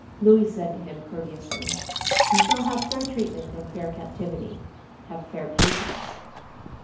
Louis said to him, courteously, "You shall have fair treatment and fair captivity; have fair patience."